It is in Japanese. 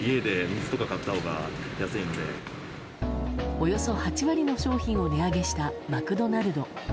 およそ８割の商品を値上げしたマクドナルド。